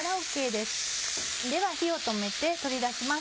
では火を止めて取り出します。